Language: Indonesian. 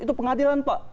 itu pengadilan pak